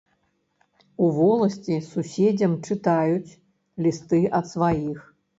У воласці суседзям чытаюць лісты ад сваіх.